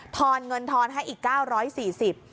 อนเงินทอนให้อีก๙๔๐บาท